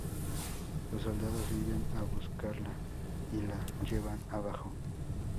Los soldados vienen a buscarla y la llevan abajo.